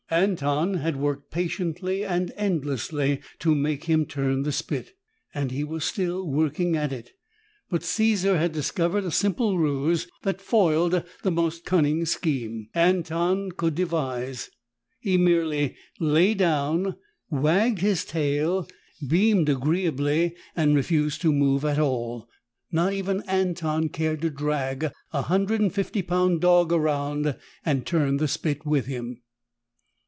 Anton had worked patiently and endlessly to make him turn the spit and he was still working at it. But Caesar had discovered a simple ruse that foiled the most cunning scheme Anton could devise; he merely lay down, wagged his tail, beamed agreeably and refused to move at all. Not even Anton cared to drag a hundred and fifty pound dog around and turn the spit with him.